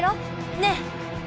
ねえ！